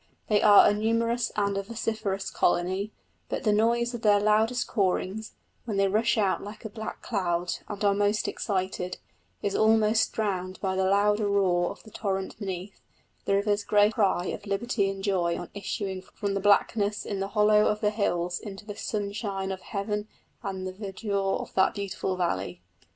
They are a numerous and a vociferous colony, but the noise of their loudest cawings, when they rush out like a black cloud and are most excited, is almost drowned by the louder roar of the torrent beneath the river's great cry of liberty and joy on issuing from the blackness in the hollow of the hills into the sunshine of heaven and the verdure of that beautiful valley.